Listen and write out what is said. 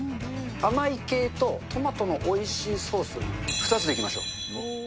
甘い系と、トマトのおいしいソース、２つでいきましょう。